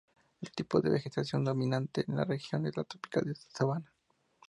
El tipo de vegetación dominante en la región es el tropical de sabana.